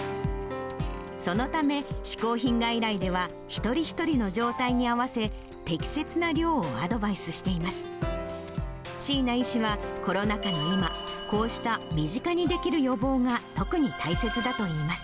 そのため、嗜好品外来では一人一人の状態に合わせ、適切な量をアドバイスしています。